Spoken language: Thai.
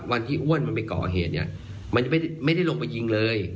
วันที่อ้วนมันไปก่อเหตุเนี่ยมันจะไม่ได้ลงไปยิงเลย